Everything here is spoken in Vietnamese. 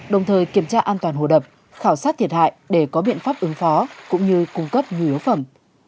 đồng thời kiểm tra an toàn hồ đập khảo sát thiệt hại để có biện pháp ứng phó cũng như cung cấp nhu yếu phẩm